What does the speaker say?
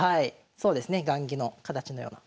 そうですね。